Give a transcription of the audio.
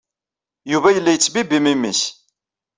Yuba yella yettbibbi memmi-s.